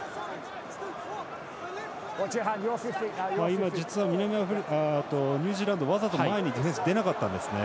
今、実はニュージーランドわざと、前にディフェンス出なかったんですね。